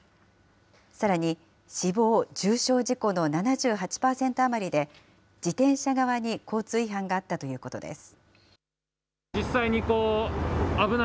さらに、死亡・重傷事故の７８％余りで、自転車側に交通違反があったということです。